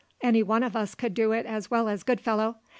"Any one of us could do it as well as Goodfellow.